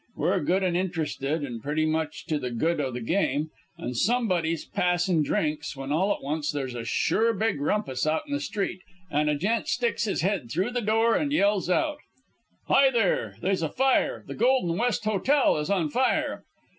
We're good an' interested, and pretty much to the good o' the game, an' somebody's passin' drinks when all at once there's a sure big rumpus out in the street, an' a gent sticks his head thro' the door an' yells out: "'Hi, there, they's a fire! The Golden West Hotel is on fire!'